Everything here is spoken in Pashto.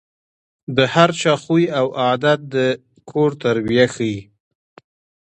د هر چا خوی او عادت د کور تربیه ښيي.